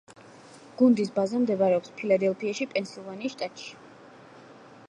გუნდის ბაზა მდებარეობს ფილადელფიაში, პენსილვანიის შტატში.